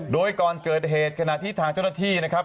โดยก่อนเกิดเหตุขณะที่ทางเจ้าหน้าที่นะครับ